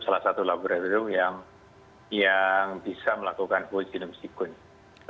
salah satu laboratorium yang bisa melakukan ho gene sequence